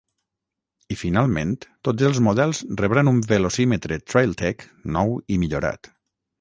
I finalment tots els models rebran un velocímetre Trail Tech nou i millorat.